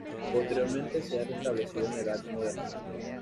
Posteriormente, se ha restablecido en la Edad Moderna.